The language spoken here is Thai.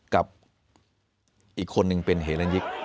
กับอีกคนนึงเป็นเหรนยิก